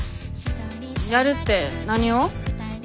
やるって何を？